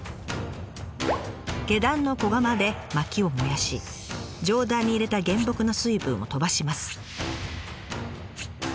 下段の小窯で薪を燃やし上段に入れた原木の水分を飛ばします。